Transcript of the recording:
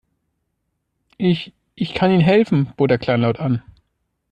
Ich, ich kann Ihnen helfen, bot er kleinlaut an.